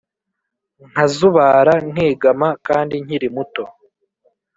Nkazubara nkegama kandi nkiri muto